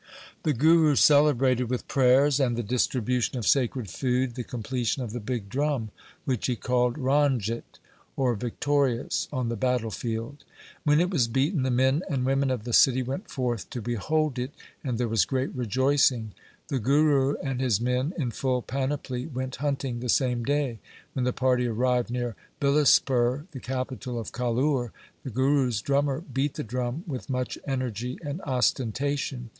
The Guru celebrated with prayers and the distri bution of sacred food the completion of the big drum, which he called Ranjit, or victorious on the battle field. When it was beaten, the men and women of the city went forth to behold it, and there was great rejoicing. The Guru and his men, in full panoply, went hunting the same day. When the party arrived near Bilaspur, the capital of Kahlur, the Guru's drummer beat the drum with much energy and ostentation.